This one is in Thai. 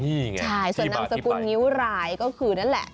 นี่ไงใช่ส่วนนามสกุลงิ้วรายก็คือนั่นแหละ